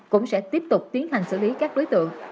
cũng sẽ tiếp tục tiến hành xử lý các đối tượng